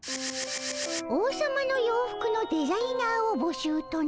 王様の洋服のデザイナーをぼしゅうとな？